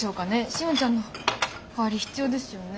シオンちゃんの代わり必要ですよね。